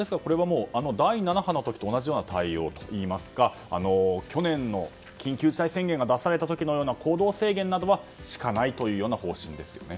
これは第７波の時と同じような対応といいますか去年の緊急事態宣言が出された時のような行動制限などは敷かないという方針ですよね。